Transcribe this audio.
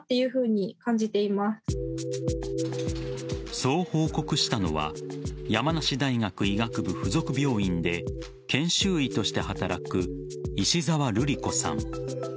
そう報告したのは山梨大学医学部附属病院で研修医として働く石澤瑠璃子さん。